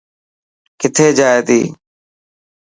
ڪٿي جائي تي.